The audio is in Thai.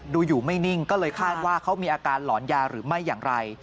ดูอยู่ไม่นิ่งก็เลยคาดว่าเขามีอาการหลอนยาหรือไม่อย่างไร